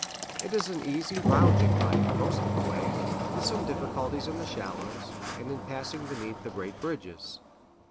It is an easy, lounging life, most of the way, with some difficulties in the shallows, and in passing beneath the great bridges.